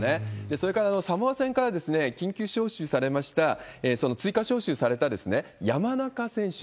それから、サモア戦から緊急招集されました、追加招集された山中選手。